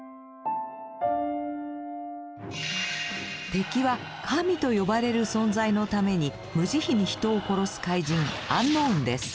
敵は「神」と呼ばれる存在のために無慈悲に人を殺す怪人アンノウンです。